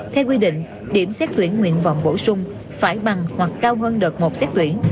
theo quy định điểm xét tuyển nguyện vọng bổ sung phải bằng hoặc cao hơn đợt một xét tuyển